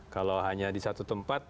kalau hanya di satu tempat